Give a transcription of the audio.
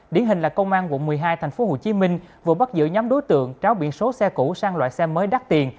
điển hình là công an quận một mươi hai tp hcm vừa bắt giữ nhóm đối tượng tráo biển số xe cũ sang loại xe mới đắt tiền